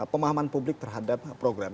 pemahaman publik terhadap program